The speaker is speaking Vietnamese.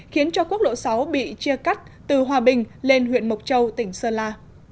khiến cho quốc lộ sáu bị chia cắt từ hòa bình lên huyện mộc châu tỉnh sơn la